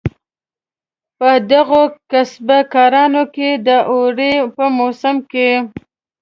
په دغو کسبه کارانو کې د اوړي په موسم کې.